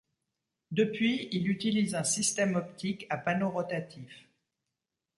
Depuis, il utilise un système optique à panneaux rotatifs.